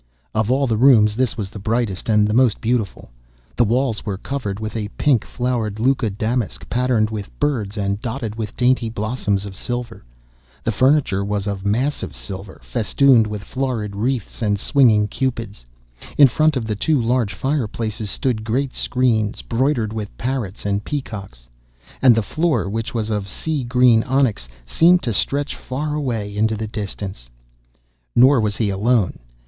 Of all the rooms this was the brightest and the most beautiful. The walls were covered with a pink flowered Lucca damask, patterned with birds and dotted with dainty blossoms of silver; the furniture was of massive silver, festooned with florid wreaths, and swinging Cupids; in front of the two large fire places stood great screens broidered with parrots and peacocks, and the floor, which was of sea green onyx, seemed to stretch far away into the distance. Nor was he alone.